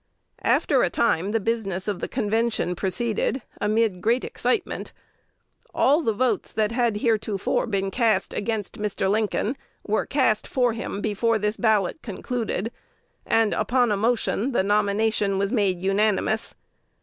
After a time, the business of the convention proceeded amid great excitement. All the votes that had heretofore been cast against Mr. Lincoln were cast for him before this ballot concluded; and, upon motion, the nomination was made unanimous.